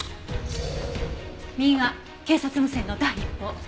右が警察無線の第一報。